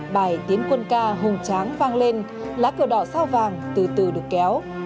bài tiến quân ca hùng tráng vang lên lá cờ đỏ sao vàng từ từ được kéo